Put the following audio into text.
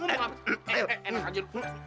eh eh eh eh enak aja